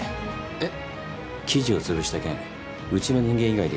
えっ？